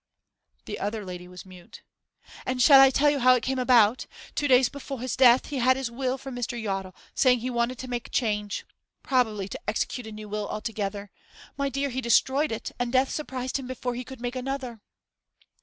The other lady was mute. 'And shall I tell you how it came about? Two days before his death, he had his will from Mr. Yottle, saying he wanted to make change probably to execute a new will altogether. My dear, he destroyed it, and death surprised him before he could make another.